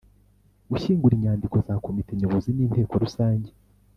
gushyingura inyandiko za Komite Nyobozi n’Inteko Rusange